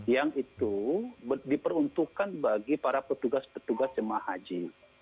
yang itu diperuntukkan bagi para petugas petugas jemaah haji